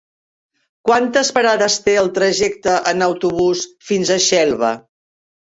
Quantes parades té el trajecte en autobús fins a Xelva?